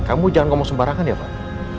kamu jangan ngomong sembarangan ya pak